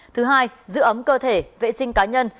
thứ hai giữ ấm cơ thể vệ sinh cá nhân